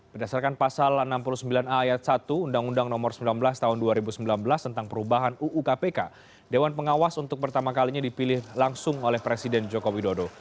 berdasarkan pasal enam puluh sembilan ayat satu undang undang nomor sembilan belas tahun dua ribu sembilan belas tentang perubahan uu kpk dewan pengawas untuk pertama kalinya dipilih langsung oleh presiden joko widodo